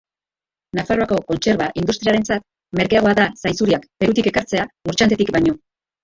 Nafarroako kontserba industriarentzat merkeagoa da zainzuriak Perutik ekartzea Murchantetik baino.